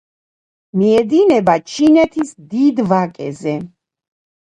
მიედინება ჩინეთის დიდ ვაკეზე.